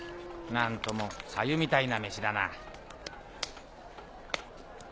何とも白湯みたいな飯だな。